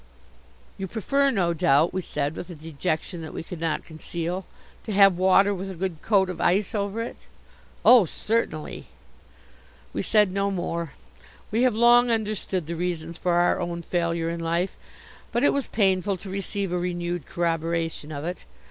"You prefer, no doubt," we said, with a dejection that we could not conceal, "to have water with a good coat of ice over it?" "Oh, certainly!" We said no more. We have long understood the reasons for our own failure in life, but it was painful to receive a renewed corroboration of it.